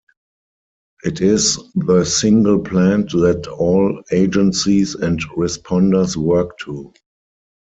It is the single plan that all agencies and responders work to.